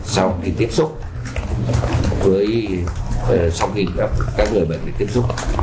sau khi tiếp xúc với sau khi các người bệnh tiếp xúc